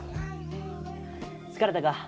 疲れたか？